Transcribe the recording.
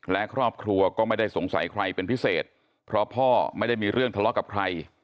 และครอบครัวก็ไม่ได้สงสัยใครเป็นพิเศษเพราะพ่อไม่ได้มีเรื่องทะเลาะกับใคร